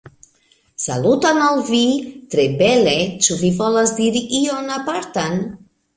Saluton al vi! tre bele ĉu vi volas diri ion apartan?